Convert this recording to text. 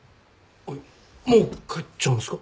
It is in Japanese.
もう帰っちゃうんすか？